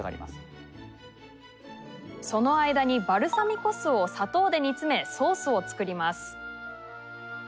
その間にバルサミコ酢を砂糖で煮詰めソースを作ります。